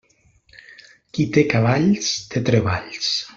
Qui té cavalls, té treballs.